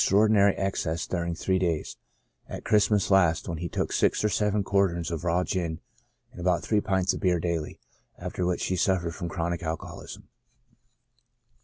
6l traordinary excess during three days, at Christmas last^ when he took six or seven quarterns of raw gin and about three pints of beer daily, after which he suffered from chronic alcoholism.